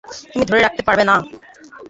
তুমি ধরে রাখতে পারবে না!